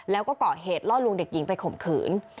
แล้วก็ก่อเหตุล่อลวงเด็กหญิงไปข่มขืน